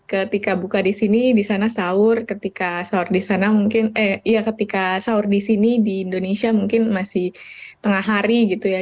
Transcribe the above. ketika buka di sini di sana sahur ketika sahur di sana mungkin ya ketika sahur di sini di indonesia mungkin masih tengah hari gitu ya